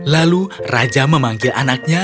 lalu raja memanggil anaknya